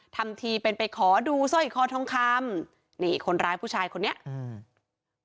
ทำทีเป็นไปขอดูสร้อยคอทองคำนี่คนร้ายผู้ชายคนนี้อืม